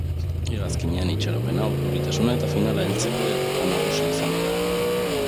Hegazkinean itxaropena, urduritasuna eta finala heltzeko irrika nagusi izan dira.